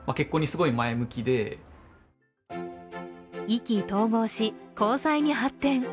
意気投合し交際に発展。